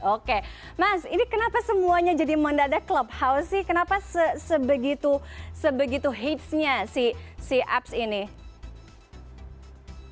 oke mas ini kenapa semuanya jadi mendadak clubhouse sih kenapa sebegitu hitsnya si apps ini